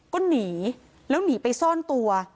ก็หนีแล้วหนีไปซ่อนตัว